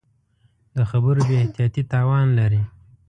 د خبرو بې احتیاطي تاوان لري